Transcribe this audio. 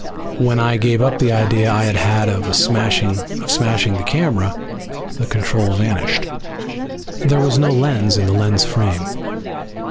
When I gave up the idea I had had of smashing the camera, the control vanished. There was no lens in the lens frame.